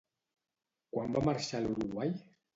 Quan va marxar a l'Uruguai?